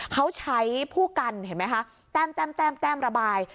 เขาใช้ผู้กันเห็นไหมคะแต้มระบาย